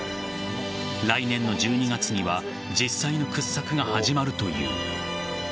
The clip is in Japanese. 来年の１２月には実際の掘削が始まるという。